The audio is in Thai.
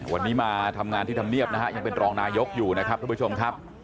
วันนี้มาทำงานที่ธรรมเนียบนะฮะยังเป็นรองนายกอยู่นะครับทุกผู้ชมครับ